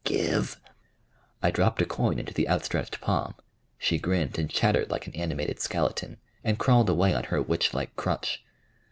Give!" I dropped a coin into the outstretched palm; she grinned and chattered like an animated skeleton, and crawled away on her witch like crutch.